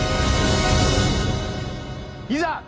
いざ！